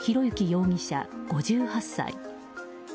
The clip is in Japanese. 容疑者、５８歳。